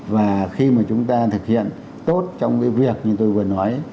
và khi mà chúng ta thực hiện tốt trong cái việc như tôi vừa nói